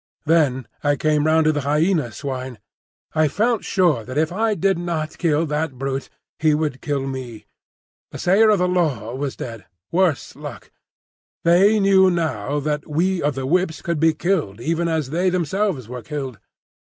Then I came round to the Hyena swine. I felt sure that if I did not kill that brute, he would kill me. The Sayer of the Law was dead: worse luck. They knew now that we of the Whips could be killed even as they themselves were killed.